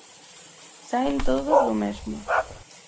Saen todos do mesmo.